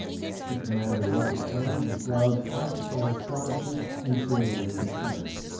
The commander looked at Parry with brows arched by astonishment and sailorly concern.